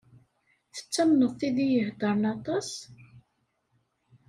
Tettamneḍ tid i iheddṛen aṭas?